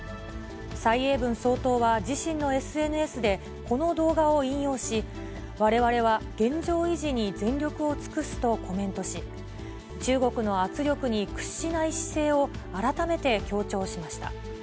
蔡英文総統は自身のＳＮＳで、この動画を引用し、われわれは現状維持に全力を尽くすとコメントし、中国の圧力に屈しない姿勢を、改めて強調しました。